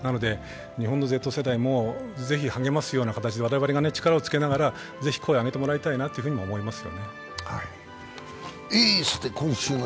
日本のＺ世代も、ぜひ励ますような形で、我々が力をつけながらぜひ声を上げてもらいたいなと思います。